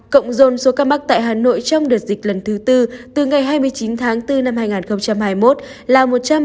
cộng dồn số ca mắc tại hà nội trong đợt dịch lần thứ tư từ ngày hai mươi chín tháng bốn năm hai nghìn hai mươi một là một trăm bảy mươi một bảy trăm ba mươi tám